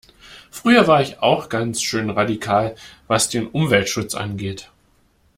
Früher war ich auch ganz schön radikal was den Umweltschutz angeht.